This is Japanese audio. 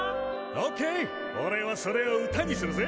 オッケーおれはそれを歌にするぜ。